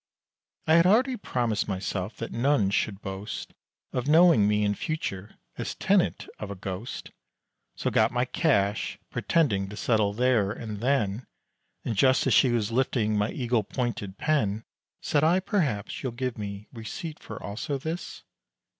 I had already promised myself, that none should boast, Of knowing me in future, as tenant of a ghost, So got my cash, pretending to settle there, and then, And just as she was lifting my eagle pointed pen, Said I "Perhaps you'll give me receipt for also this?"